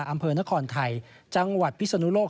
อำเภอนครไทยจังหวัดพิศนุโลก